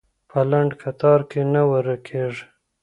په لنډ کتار کې نه ورکېږي.